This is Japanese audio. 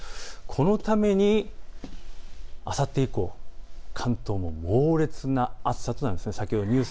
このためあさって以降、関東も猛烈な暑さとなりそうです。